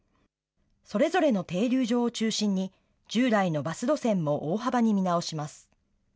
それぞれの停留場を中心に、従来のバス路線も大幅に見直します。